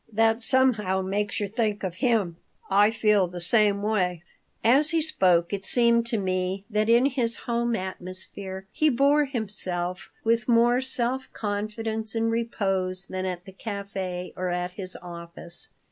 That somehow makes you think of him. I feel the same way." As he spoke it seemed to me that in his home atmosphere he bore himself with more self confidence and repose than at the café or at his office.